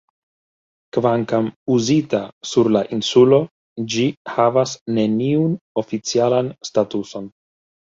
Kvankam uzita sur la insulo, ĝi havas neniun oficialan statuson.